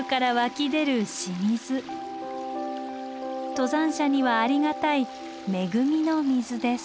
登山者にはありがたい恵みの水です。